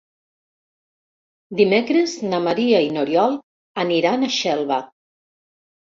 Dimecres na Maria i n'Oriol aniran a Xelva.